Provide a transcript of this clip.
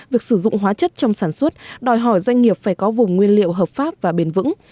việc sử dụng hóa chất trong sản xuất đòi hỏi doanh nghiệp phải có vùng nguyên liệu hợp pháp và bền vững